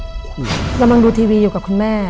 กำลังดูทีวีอยู่กับคุณแม่